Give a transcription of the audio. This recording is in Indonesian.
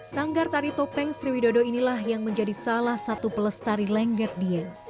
sanggar tari topeng sriwidodo inilah yang menjadi salah satu pelestari lengger dieng